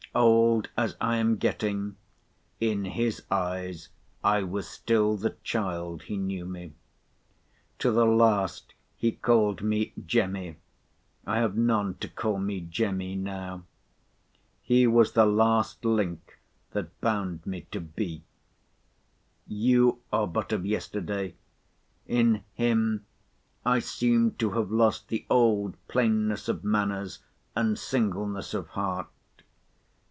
Old as I am getting, in his eyes I was still the child he knew me. To the last he called me Jemmy. I have none to call me Jemmy now. He was the last link that bound me to B——. You are but of yesterday. In him I seem to have lost the old plainness of manners and singleness of heart.